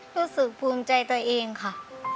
รู้สึกภูมิใจตัวเองค่ะ